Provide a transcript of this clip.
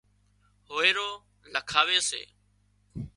هوئيرو لکاوي سي